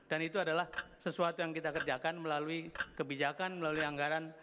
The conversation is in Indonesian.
itu adalah sesuatu yang kita kerjakan melalui kebijakan melalui anggaran